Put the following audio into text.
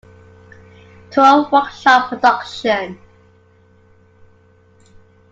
Tour Workshop Production.